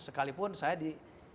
sekalipun saya di